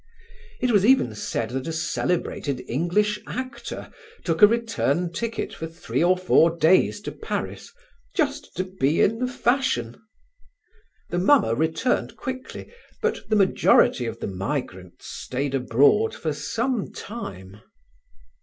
It was even said that a celebrated English actor took a return ticket for three or four days to Paris, just to be in the fashion. The mummer returned quickly; but the majority of the migrants stayed abroad for some time.